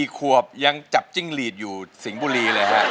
๔ขวบยังจับจิ้งหลีดอยู่สิงห์บุรีเลยฮะ